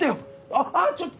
あっああちょっと！